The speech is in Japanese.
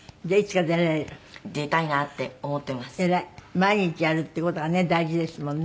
毎日やるっていう事がね大事ですもんね。